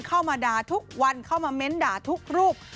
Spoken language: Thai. เข้ามาด่าทุกวันเข้ามาเม้นด่าทุกรูป